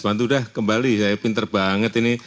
mantulah kembali saya pinter banget ini